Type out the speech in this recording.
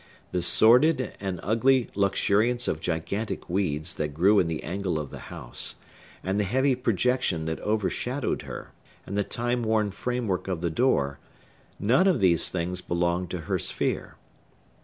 The sordid and ugly luxuriance of gigantic weeds that grew in the angle of the house, and the heavy projection that overshadowed her, and the time worn framework of the door,—none of these things belonged to her sphere.